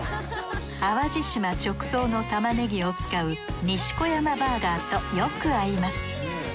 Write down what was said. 淡路島直送の玉ねぎを使う西小山バーガーとよく合います。